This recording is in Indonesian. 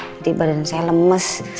jadi badan saya lemes